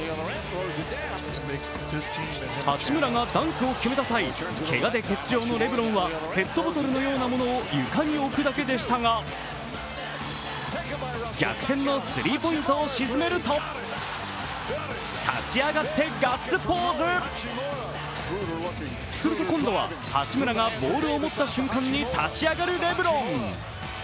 八村がダンクを決めた際、けがで欠場のレブロンはペットボトルのようなものを床に置くだけでしたが逆転のスリーポイントを沈めると立ち上がってガッツポーズそして今度は八村がボールを持った瞬間に立ち上がるレブロン。